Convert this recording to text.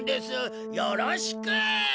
よろしく！